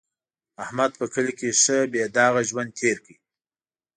احمد په کلي کې ښه بې داغه ژوند تېر کړ.